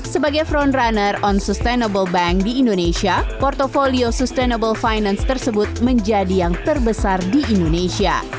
sebagai front runner on sustainable bank di indonesia portfolio sustainable finance tersebut menjadi yang terbesar di indonesia